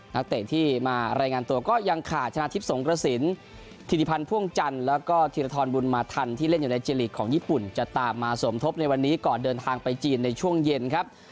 นักเตะที่มารายงานตัวก็ยังขาดชนะทิพย์สงกระสินธิริพันธ์พ่วงจันทร์แล้วก็ธีรทรบุญมาทันที่เล่นอยู่ในเจลีกของญี่ปุ่นจะตามมาสมทบในวันนี้ก่อนเดินทางไปจีนในช่วงเย็นครับ